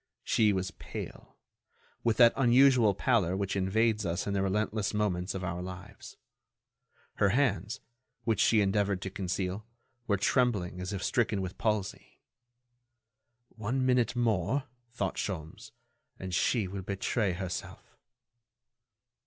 She was pale—with that unusual pallor which invades us in the relentless moments of our lives. Her hands, which she endeavored to conceal, were trembling as if stricken with palsy. "One minute more," thought Sholmes, "and she will betray herself."